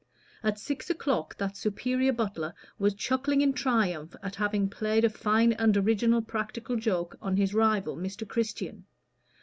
At six o'clock that superior butler was chuckling in triumph at having played a fine and original practical joke on his rival, Mr. Christian.